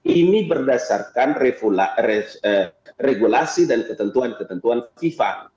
ini berdasarkan regulasi dan ketentuan ketentuan fifa